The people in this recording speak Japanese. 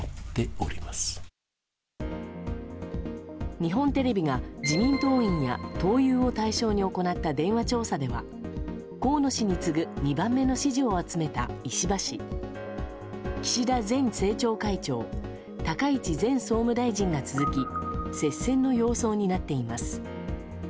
日本テレビが自民党員や党友を対象に行った電話調査では河野氏に次ぐ２番目の支持を集めた石破氏岸田前政調会長高市前総務大臣が続き接戦の様相になっています。